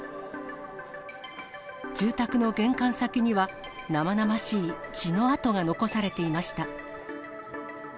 住宅の玄関先には、生々しい血の跡が残されていました。